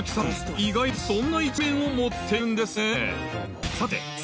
意外とそんな一面をもっているんですね